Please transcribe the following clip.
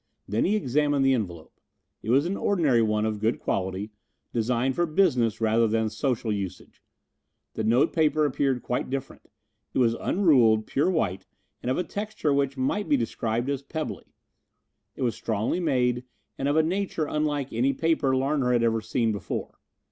Then he examined the envelope. It was an ordinary one of good quality, designed for business rather than social usage. The note paper appeared quite different. It was unruled, pure white, and of a texture which might be described as pebbly. It was strongly made, and of a nature unlike any paper Larner had ever seen before.